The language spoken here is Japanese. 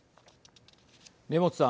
根本さん。